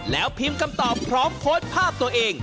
แล้วพิมพ์คำตอบพร้อมโพสต์ภาพตัวเอง